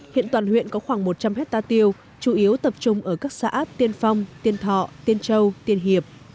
hiện toàn huyện có khoảng một trăm linh hectare tiêu chủ yếu tập trung ở các xã tiên phong tiên thọ tiên châu tiên hiệp